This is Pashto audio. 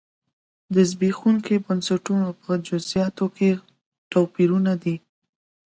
د زبېښونکو بنسټونو په جزییاتو کې توپیرونه دي.